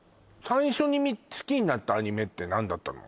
最初に好きになったアニメって何だったの？